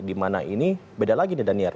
di mana ini beda lagi nih danir